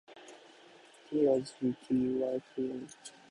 ｔｒｇｔｙｔｎ